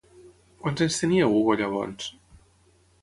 Quants anys tenia Hugo llavors?